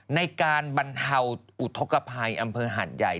ในการบรรเทาอุทธกภัยอำเภอหัดใหญ่